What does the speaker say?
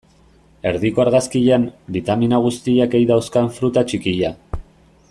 Erdiko argazkian, bitamina guztiak ei dauzkan fruta txikia.